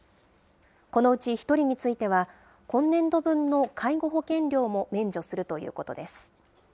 このうち１人については、今年度分の介護保険料も免除するということです。